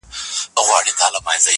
انار ګل د ارغنداو پر بګړۍ سپور سو-